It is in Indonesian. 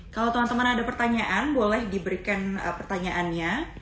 kalau teman teman ada pertanyaan boleh diberikan pertanyaannya